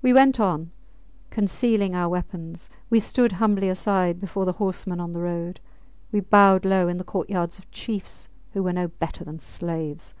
We went on. Concealing our weapons, we stood humbly aside before the horsemen on the road; we bowed low in the courtyards of chiefs who were no better than slaves.